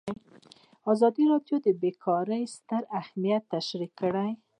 ازادي راډیو د بیکاري ستر اهميت تشریح کړی.